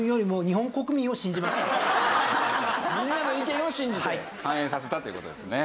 みんなの意見を信じて反映させたという事ですね。